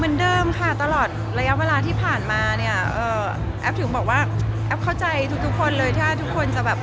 เหมือนเดิมค่ะตลอดระยะเวลาที่ผ่านมาเนี่ยเอ่อแอฟถึงบอกว่าแอฟเข้าใจทุกทุกคนเลยถ้าทุกคนจะแบบ